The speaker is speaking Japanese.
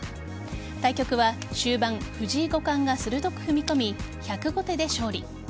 対局は終盤藤井五冠が鋭く踏み込み１０５手で勝利。